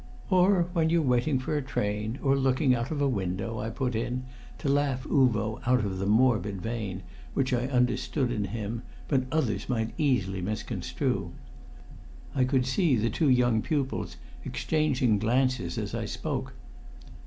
"Or when you're waiting for a train, or looking out of a window!" I put in, to laugh Uvo out of the morbid vein which I understood in him but others might easily misconstrue. I could see the two young pupils exchanging glances as I spoke.